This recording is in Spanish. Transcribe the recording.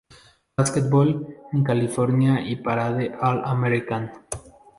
Basketball" en California y Parade All-American.